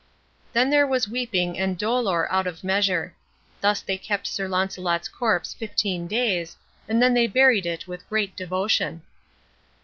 Then there was weeping and dolor out of measure. Thus they kept Sir Launcelot's corpse fifteen days, and then they buried it with great devotion.